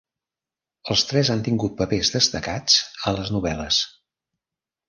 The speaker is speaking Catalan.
Els tres han tingut papers destacats a les novel·les.